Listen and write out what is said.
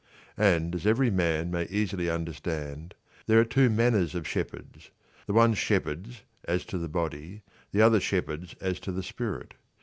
And, as every man may easily under stand, there are two manners of shepherds ; the one shepherds as to the body, the other shepherds as to the spirit.